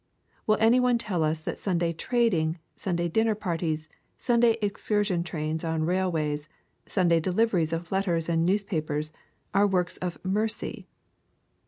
— Will any one tell us that Sunday trading, Sunday dinner parties, Sunday excursion trains on railways, Sunday deliveries of letters and newspapers, are works of mercy